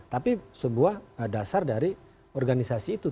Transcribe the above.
tapi sebuah dasar dari organisasi itu